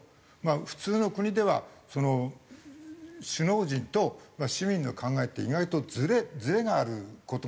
普通の国では首脳陣と市民の考えって意外とずれがある事が普通なんですよ。